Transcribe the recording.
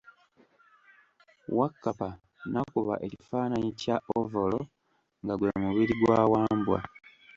Wakkapa n'akuba ekifaananyi kya ovolo nga gwe mubiri gwa Wambwa.